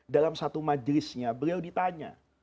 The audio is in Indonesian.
dalam satu majelisnya beliau ditanya